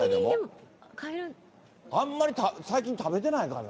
あんまり最近食べてないからな。